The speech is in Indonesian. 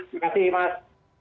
terima kasih bang